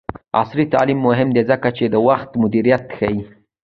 عصري تعلیم مهم دی ځکه چې د وخت مدیریت ښيي.